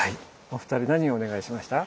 お二人何お願いしました？